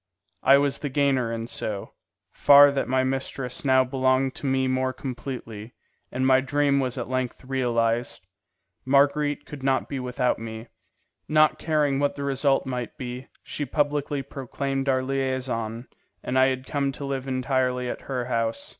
I was the gainer in so far that my mistress now belonged to me more completely, and my dream was at length realized. Marguerite could not be without me. Not caring what the result might be, she publicly proclaimed our liaison, and I had come to live entirely at her house.